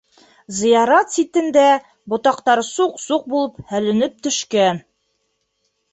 Зыярат ситендә, ботаҡтары суҡ-суҡ булып һәленеп төшкән